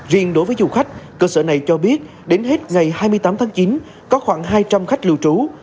riêng đối với du khách cơ sở này cho biết đến hết ngày hai mươi tám tháng chín có khoảng hai trăm linh khách lưu trú